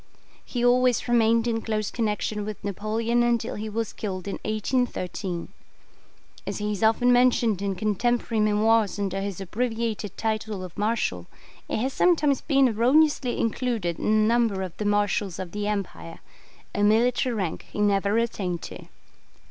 He always remained in close connection with Napoleon until he was killed in 1813. As he is often mentioned in contemporary memoirs under his abbreviated title of 'Marshal', he has sometimes been erroneously included in the number of the Marshals of the Empire a military rank he never attained to.